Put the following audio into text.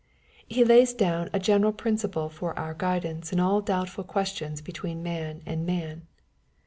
He lays down a general principle for our guidance in all doubtful questions between man and man.